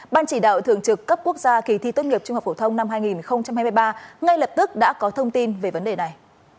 ban chỉ đạo thường trực cấp quốc gia kỳ thi tốt nghiệp trung học phổ thông năm hai nghìn hai mươi ba ngay lập tức đã có thông tin về vấn đề này